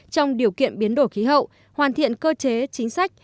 trong điều kiện biến đổi khí hậu hoàn thiện cơ chế chính sách